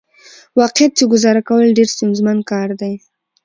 واقعيت چې ګزاره کول ډېره ستونزمن کار دى .